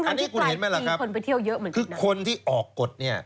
อันนี้คุณเห็นไหมล่ะครับคือคนที่ออกกฎเนี่ย